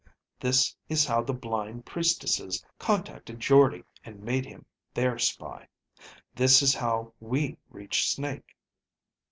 This is how the blind priestesses contacted Jordde and made him their spy. This is how we reached Snake.